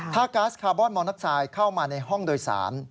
ถ้าก๊าซคาร์บอนมอน็อกไซด์เข้ามาในห้องโดยสาร